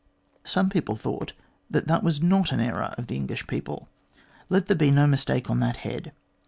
Some people thought that that was not an error of the English people. Let there be no mistake on that head.